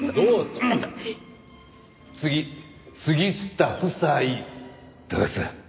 次杉下夫妻どうぞ！